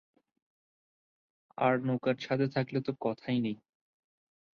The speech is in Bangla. আর নৌকার ছাদে থাকলে তো কথাই নেই।